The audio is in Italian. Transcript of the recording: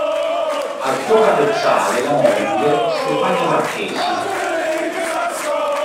Al suo capezzale la moglie Stefania Marchesi.